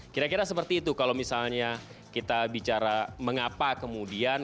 kira kira seperti itu kalau misalnya kita bicara mengapa kemudian